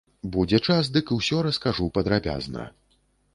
Будзе час, дык усё раскажу падрабязна.